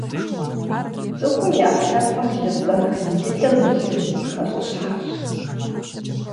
Цӏыхум и ӏэпкълъэпкъым лыпцӏэ нэхъ ин дыдэу илъыр и пхэщӏыщхьэрщ.